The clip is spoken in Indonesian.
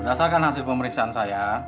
berdasarkan hasil pemeriksaan saya